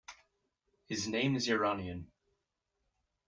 His name is Iranian.